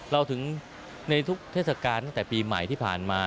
เราถึงในทุกเทศกาลตั้งแต่ปีใหม่ที่ผ่านมา